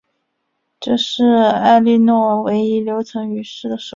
这是埃莉诺唯一留存于世的手书。